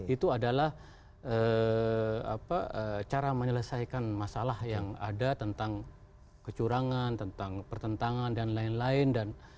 itu adalah cara menyelesaikan masalah yang ada tentang kecurangan tentang pertentangan dan lain lain